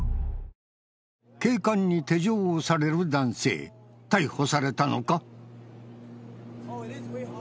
警官に手錠をされる男性逮捕されたのか？